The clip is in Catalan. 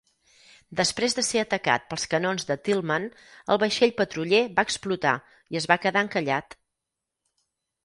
Després de ser atacat pels canons de "Tillman", el vaixell patruller va explotar i es va quedar encallat.